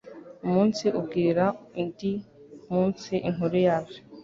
Umunsi ubwira undi munsi inkuru yabyo